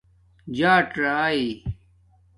جاٹ رائئ